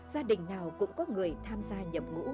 gia đình nào cũng có người tham gia nhập ngũ